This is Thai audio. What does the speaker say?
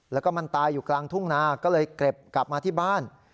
แล้วก็มันตายอยู่กลางทุ่งนาก็เลยเก็บกลับมาที่บ้าน